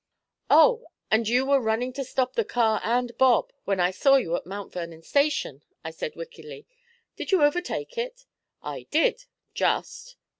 'Oh! and you were running to stop the car, and Bob, when I saw you at Mount Vernon Station,' I said wickedly; 'did you overtake it?' 'I did just.'